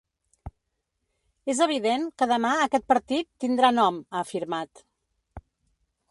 És evident que demà aquest partit tindrà nom, ha afirmat.